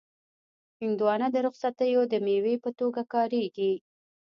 هندوانه د رخصتیو د مېوې په توګه یادیږي.